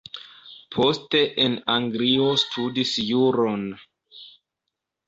Poste en Anglio studis juron.